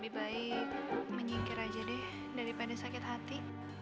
lebih baik menyingkir aja deh daripada sakit hati